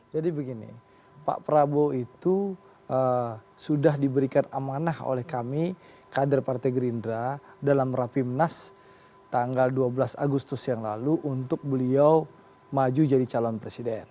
jadi begini pak prabowo itu sudah diberikan amanah oleh kami kader partai gerindra dalam rapimnas tanggal dua belas agustus yang lalu untuk beliau maju jadi calon presiden